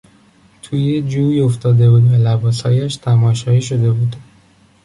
توی جوی افتاده بود و لباس هایش تماشایی شده بود.